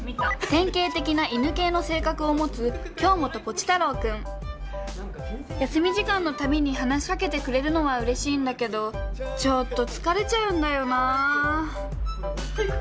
典型的な犬系の性格を持つ休み時間の度に話しかけてくれるのはうれしいんだけどちょっと疲れちゃうんだよな。